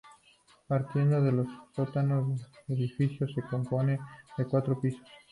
Partiendo de los sótanos, el edificio se compone de cuatro pisos.